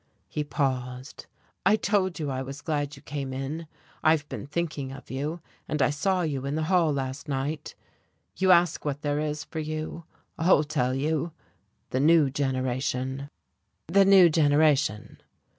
He paused. "I told you I was glad you came in I've been thinking of you, and I saw you in the hall last night. You ask what there is for you I'll tell you, the new generation." "The new generation."